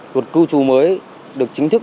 luật cư trú mới được chính thức